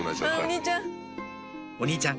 お兄ちゃん